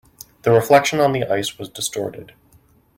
The reflection on the ice was distorted.